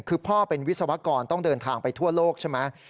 คือพ่อเป็นวิศวกรต้องเดินทางไปทั่วโลกใช่ไหม